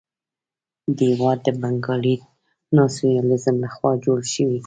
دا هېواد د بنګالي ناسیونالېزم لخوا جوړ شوی وو.